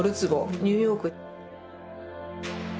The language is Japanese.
ニューヨーク。